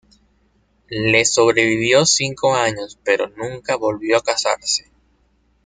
Le sobrevivió cinco años, pero nunca volvió a casarse.